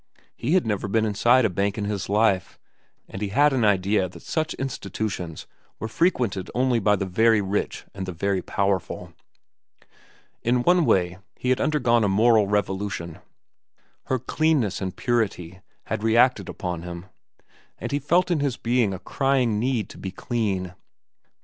He had never been inside a bank in his life, and he had an idea that such institutions were frequented only by the very rich and the very powerful. In one way, he had undergone a moral revolution. Her cleanness and purity had reacted upon him, and he felt in his being a crying need to be clean.